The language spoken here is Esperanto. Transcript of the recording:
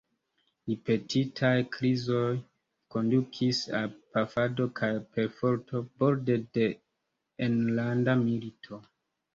Ripetitaj krizoj kondukis al pafado kaj perforto, borde de enlanda milito.